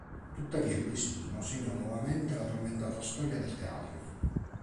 Tuttavia il destino segnò nuovamente la tormentata storia del teatro.